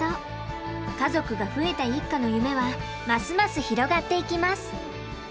家族が増えた一家の夢はますます広がっていきます。